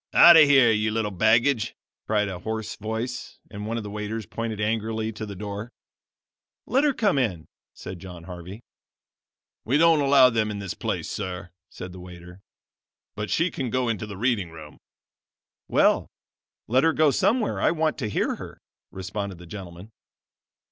"Out of here, you little baggage!" cried a hoarse voice, and one of the waiters pointed angrily to the door. "Let her come in," said John Harvey. "We don't allow them in this place, sir," said the waiter, "but she can go into the reading room." "Well, let her go somewhere. I want to hear her," responded the gentleman.